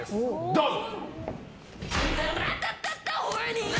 どうぞ！